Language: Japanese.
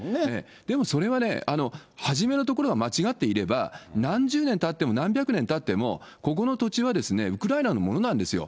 でもそれはね、初めのところが間違っていれば、何十年たっても何百年たっても、ここの土地はウクライナのものなんですよ。